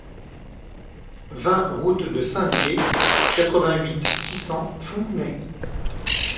vingt route de Saint-Dié, quatre-vingt-huit, six cents, Fontenay